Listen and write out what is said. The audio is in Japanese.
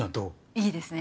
いいですね。